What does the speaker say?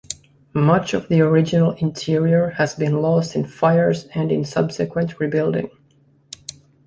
Much of the original interior has been lost in fires and in subsequent rebuilding.